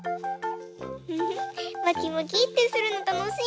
フフまきまきってするのたのしい！